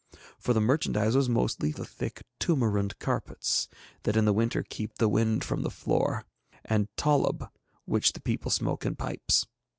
For the merchandise was mostly the thick toomarund carpets that in the winter keep the wind from the floor, and tollub which the people smoke in pipes.